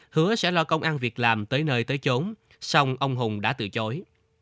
hứa sẽ lo công ăn việc làm tới nơi tới trốn xong ông hùng đã từ chối